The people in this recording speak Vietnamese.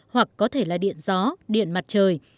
hoặc có thể là điện gió điện mặt trời